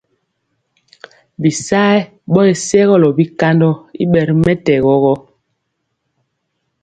Bisayɛ ɓɔ sɛgɔlɔ bikandɔ i ɓɛ ri mɛtɛgɔ.